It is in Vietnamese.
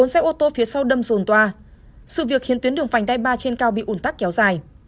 bốn xe ô tô phía sau đâm rồn toa sự việc khiến tuyến đường vành đai ba trên cao bị ủn tắc kéo dài